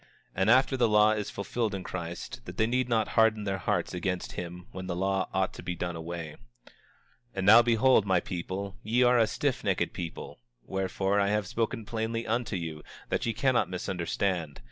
And after the law is fulfilled in Christ, that they need not harden their hearts against him when the law ought to be done away. 25:28 And now behold, my people, ye are a stiffnecked people; wherefore, I have spoken plainly unto you, that ye cannot misunderstand.